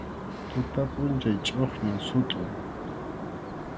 Tuta pʼunchaw chʼuqñin sutʼun.